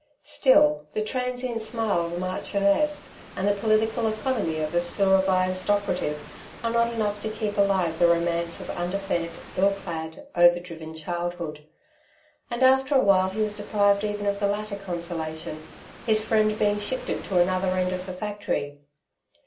Still, the transient smile of a marchioness and the political economy of a sour avised operative are not enough to keep alive the romance of underfed, ill clad, overdriven childhood. And after a while he was deprived even of the latter consolation, his friend being shifted to another end of the factory.